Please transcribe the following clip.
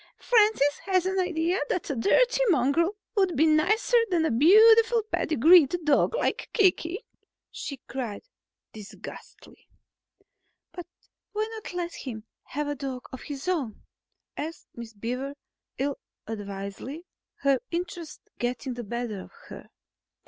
"Francis has the idea that a dirty mongrel would be nicer than a beautiful pedigreed dog like Kiki," she cried disgustedly. "But why not try letting him have a dog of his own?" asked Miss Beaver ill advisedly, her interest getting the better of her.